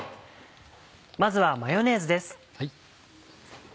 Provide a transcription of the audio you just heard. まずはマヨネーズです。